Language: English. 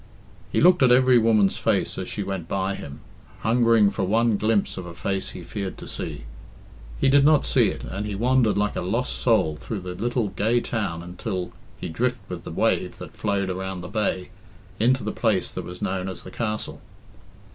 He looked at every woman's face as she went by him, hungering for one glimpse of a face he feared to see. He did not see it, and he wandered like a lost soul through the little gay town until he drifted with the wave that flowed around the bay into the place that was known as the Castle.